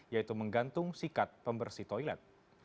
yaitu menggantung sikat pembersih toilet